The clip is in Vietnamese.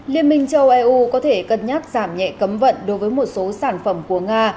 liên minh châu eu có thể cân nhắc giảm nhẹ cấm vận đối với một số sản phẩm của nga